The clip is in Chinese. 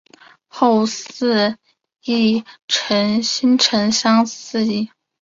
后崇祀新城乡贤祠。